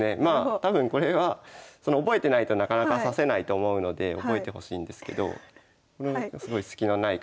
多分これは覚えてないとなかなか指せないと思うので覚えてほしいんですけどすごいスキのない構えで。